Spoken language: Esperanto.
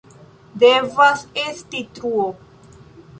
Devas esti truo!